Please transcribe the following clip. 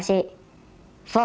sampai akhirnya saya menjawab